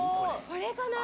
これかな。